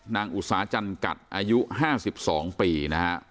นางอุตสาห์จันกัดอายุ๕๒ปีนะครับ